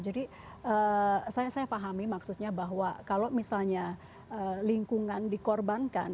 jadi saya pahami maksudnya bahwa kalau misalnya lingkungan dikorbankan